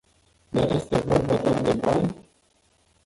Dar este vorba doar de bani?